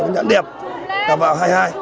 nhãn đẹp gặp vào hai mươi hai